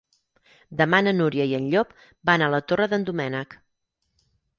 Demà na Núria i en Llop van a la Torre d'en Doménec.